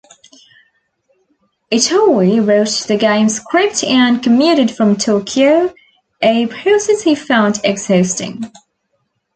Itoi wrote the game's script and commuted from Tokyo, a process he found "exhausting".